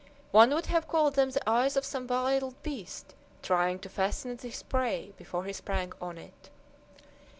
One would have called them the eyes of some wild beast trying to fascinate his prey before he sprang on it.